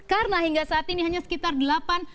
karena hingga saat ini hanya sekitar delapan